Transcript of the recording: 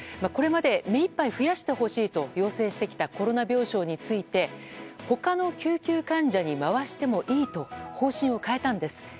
これまで目いっぱい増やしてほしいと要請してきたコロナ病床について他の救急患者に回してもいいと方針を変えたんです。